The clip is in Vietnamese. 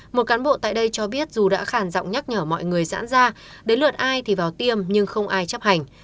một cán bộ tại đây cho biết dù đã khản rộng nhắc nhở mọi người dãn ra đến lượt ai thì vào tiêm nhưng không ai chấp hành